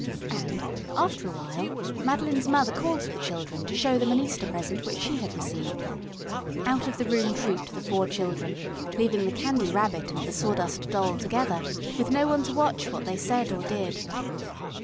And, after a while, Madeline's mother called the children to show them an Easter present which she had received. Out of the room trooped the four children, leaving the Candy Rabbit and the Sawdust Doll together, with no one to watch what they said or did.